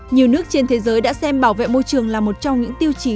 nhiều nước trên thế giới đã xem bảo vệ môi trường là một trong những tiêu chí